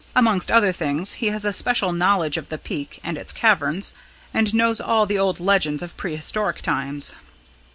Amongst other things he has a special knowledge of the Peak and its caverns, and knows all the old legends of prehistoric times."